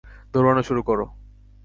দৌঁড়ানো শুরু করো।